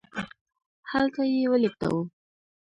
هلته یې ولیږدوو.